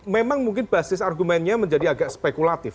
memang mungkin basis argumennya menjadi agak spekulatif